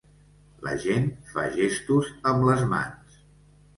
La gent fa gestos amb les mans.